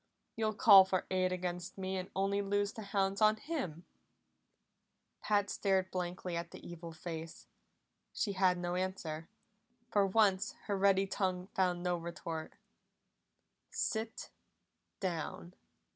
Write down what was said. You'll call for aid against me and only loose the hounds on him." Pat stared blankly at the evil face. She had no answer; for once her ready tongue found no retort. "Sit down!"